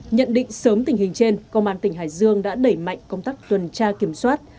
nhận định sớm tình hình trên công an tỉnh hải dương đã đẩy mạnh công tác tuần tra kiểm soát